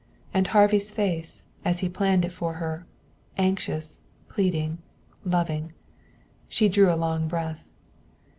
And Harvey's face, as he planned it for her anxious, pleading, loving. She drew a long breath.